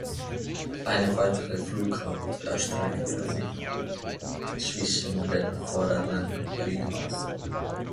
Eine weitere Flughaut erstreckte sich zwischen den vorderen Gliedmaßen.